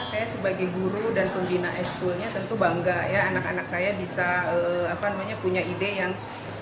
saya sebagai guru dan pembina ekskulnya tentu bangga ya anak anak saya bisa punya ide yang